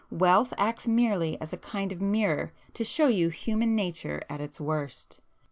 Wealth acts merely as a kind of mirror to show you human nature at its worst.